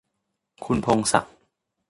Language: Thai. คุณพงษ์ศักดิ์